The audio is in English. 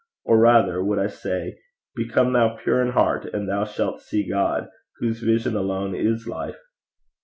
Or, rather would I say, become thou pure in heart, and thou shalt see God, whose vision alone is life.